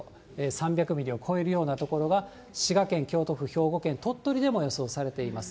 ３００ミリを超えるような所が滋賀県、京都府、兵庫県、鳥取でも予想されています。